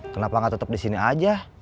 kenapa gak tetep di sini aja